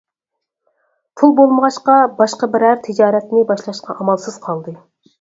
پۇل بولمىغاچقا باشقا بىرەر تىجارەتنى باشلاشقا ئامالسىز قالدى.